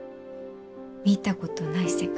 見たことない世界？